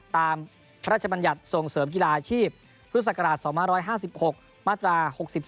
ตามรัชบัญญัติส่งเสริมกีฬาอาชีพพฤศกราชส๑๕๖มาตรา๖๔